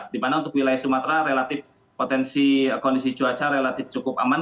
di mana untuk wilayah sumatera relatif potensi kondisi cuaca relatif cukup aman